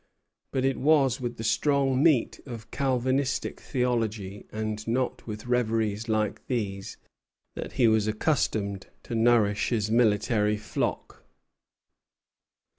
But it was with the strong meat of Calvinistic theology, and not with reveries like these, that he was accustomed to nourish his military flock.